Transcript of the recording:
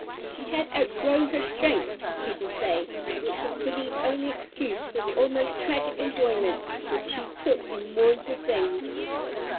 She had "outgrown her strength," as people say, which was Felie's only excuse for the almost tragic enjoyment which she took in mournful things.